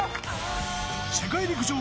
世界陸上